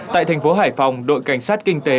tại thành phố hải phòng đội cảnh sát kinh tế